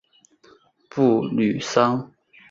布吕桑。